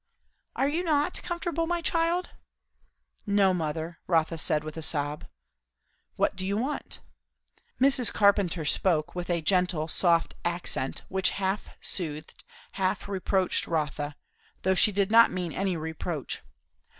"Are you not comfortable, my child?" "No, mother," Rotha said with a sob. "What do you want?" Mrs. Carpenter spoke with a gentle soft accent, which half soothed, half reproached Rotha, though she did not mean any reproach.